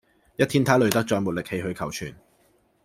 一天他累得再沒力氣去求存